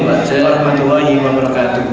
assalamualaikum warahmatullahi wabarakatuh